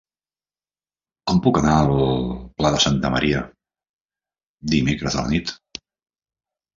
Com puc anar al Pla de Santa Maria dimecres a la nit?